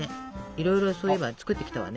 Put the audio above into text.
いろいろそういえば作ってきたわね。